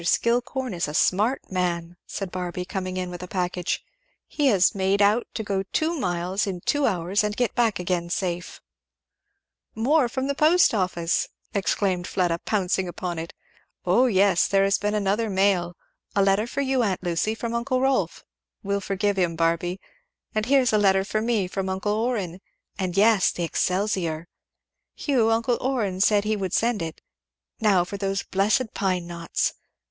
"Mr. Skillcorn is a smart man!" said Barby coming in with a package, "he has made out to go two miles in two hours and get back again safe!" "More from the post office!" exclaimed Fleda pouncing upon it, "oh yes, there has been another mail. A letter for you, aunt Lucy! from uncle Rolf! We'll forgive him, Barby And here's a letter for me, from uncle Orrin, and yes the 'Excelsior.' Hugh, uncle Orrin said he would send it. Now for those blessed pine knots!